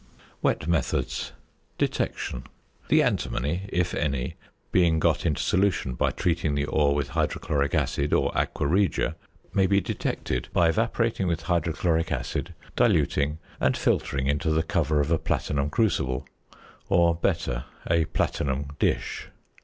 WET METHODS. ~Detection.~ The antimony, if any, being got into solution by treating the ore with hydrochloric acid or aqua regia may be detected by evaporating with hydrochloric acid, diluting, and filtering into the cover of a platinum crucible or (better) a platinum dish.